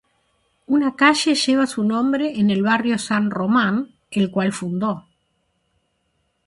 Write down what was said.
Una calle lleva su nombre en el Barrio San Román, el cual fundó.